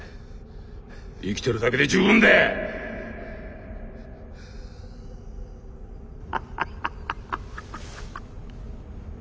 生きてるだけで十分だ！ハハハハハハハ。